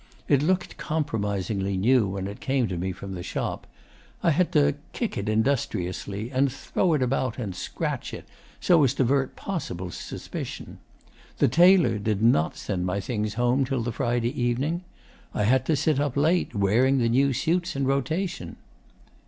It looked compromisingly new when it came to me from the shop. I had to kick it industriously, and throw it about and scratch it, so as to avert possible suspicion. The tailor did not send my things home till the Friday evening. I had to sit up late, wearing the new suits in rotation.